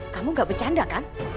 kamu gak bercanda kan